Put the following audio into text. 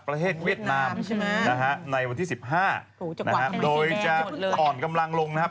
ประเทศเวียดนามในวันที่๑๕โดยจะอ่อนกำลังลงนะครับ